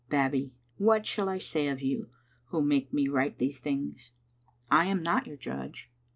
Babbie, what shall I say of you who make me write these things? I am not your judge.